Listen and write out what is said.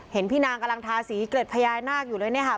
เห็นพี่นางกำลังทาสีเกร็ดพญานาคอยู่เลยเนี่ยค่ะ